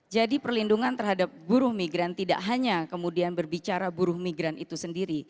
jadi perlindungan terhadap buruh migran tidak hanya kemudian berbicara buruh migran itu sendiri